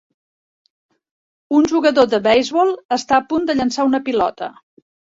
Un jugador de beisbol està a punt de llançar una pilota.